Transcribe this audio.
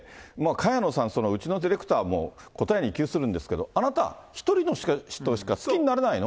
萱野さん、うちのディレクターも答えに窮するんですけど、あなた、１人の人しか好きになれないの？